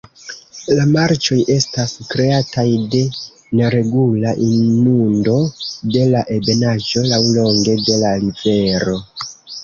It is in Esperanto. La marĉoj estas kreataj de neregula inundo de la ebenaĵo laŭlonge de la rivero.